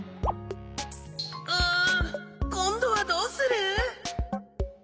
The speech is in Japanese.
うんこんどはどうする？